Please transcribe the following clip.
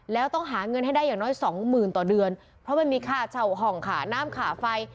แล้วต้องหาเงินให้ได้อย่างน้อยสองหมื่นต่อเดือนเพราะมันมีค่าเช่าห้องขาน้ำขาไฟ